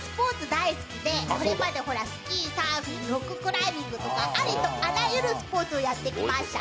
大好きで今まで、スキー、サーフィン、ロッククライミングとかありとあらゆるスポーツをやってきました。